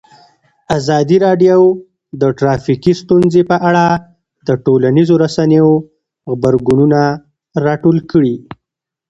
ازادي راډیو د ټرافیکي ستونزې په اړه د ټولنیزو رسنیو غبرګونونه راټول کړي.